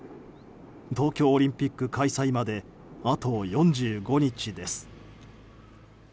東京オリンピック開催まであと４５日です。